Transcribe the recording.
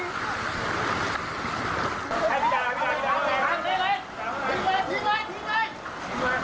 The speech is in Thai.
พี่ดา